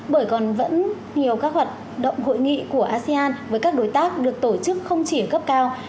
bởi còn vẫn nhiều các hoạt động hội nghị của asean với các đối tác được tổ chức không chỉ ở cấp cao